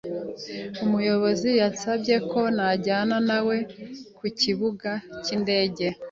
Umuyobozi yansabye ko najyana nawe ku kibuga cyindege.